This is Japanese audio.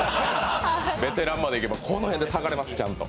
ベテランまでいけばこの辺で下がれます、ちゃんと。